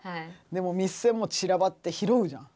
でもう店も散らばって拾うじゃん。